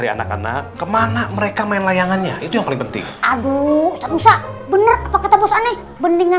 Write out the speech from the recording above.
sampai jumpa di video selanjutnya